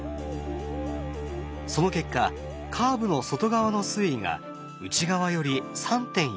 その結果カーブの外側の水位が内側より３．４ｍ。